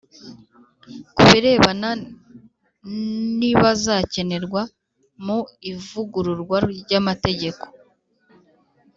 ku birebana n'ibazakenerwa mu ivugururwa ry'amategeko.